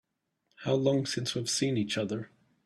How long since we've seen each other?